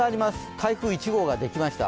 台風１号ができました。